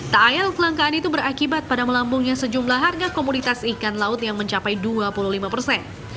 tak ayal kelangkaan itu berakibat pada melambungnya sejumlah harga komoditas ikan laut yang mencapai dua puluh lima persen